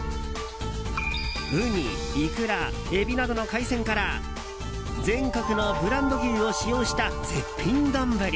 ウニ、イクラ、エビなどの海鮮から全国のブランド牛を使用した絶品丼。